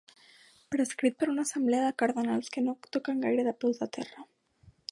Prescrit per una assemblea de cardenals que no toquen gaire de peus a terra.